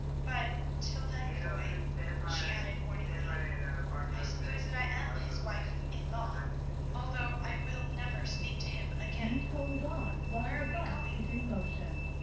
But, till then, Foy," she added, warningly, "I suppose that I am his wife in law, although I will never speak to him again. Where are we going?"